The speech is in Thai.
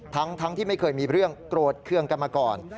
ทั้งที่ไม่เคยมีเรื่องโกรธเครื่องกันมาก่อน